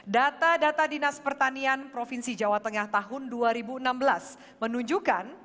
data data dinas pertanian provinsi jawa tengah tahun dua ribu enam belas menunjukkan